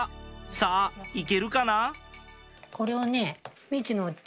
さぁ行けるかな？